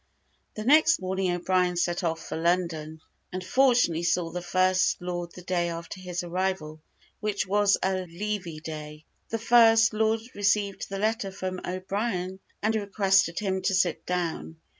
The next morning, O'Brien set off for London, and fortunately saw the First Lord the day after his arrival, which was a levee day. The First Lord received the letter from O'Brien, and requested him to sit down.